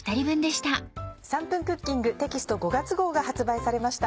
『３分クッキング』テキスト５月号が発売されました。